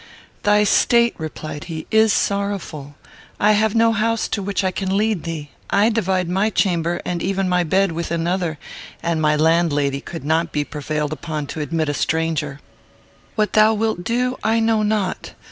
"Thy state," replied he, "is sorrowful. I have no house to which I can lead thee. I divide my chamber, and even my bed, with another, and my landlady could not be prevailed upon to admit a stranger. What thou wilt do, I know not.